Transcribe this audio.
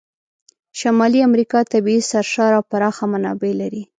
شمالي امریکا طبیعي سرشاره او پراخه منابع لري.